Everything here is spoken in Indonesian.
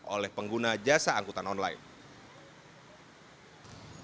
oleh pengguna jasa angkutan online